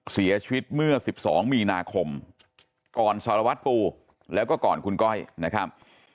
เสียชีวิตเมื่อ๑๒มีนาคมก่อนสารวัตรปูแล้วก็ก่อนคุณก้อยนะครับ